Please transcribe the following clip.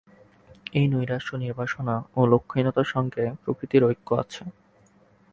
এই নৈরাশ্য, নির্বাসনা ও লক্ষ্যহীনতার সঙ্গে প্রকৃতির ঐক্য আছে।